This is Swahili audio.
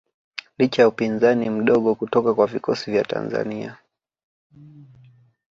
Licha ya upinzani mdogo kutoka kwa vikosi vya Tanzania